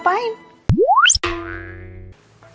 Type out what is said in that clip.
ketemu sama ibunya vera ngapain